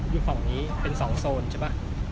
อยู่ฝั่งนี้เป็น๒โซนใช่ป่ะ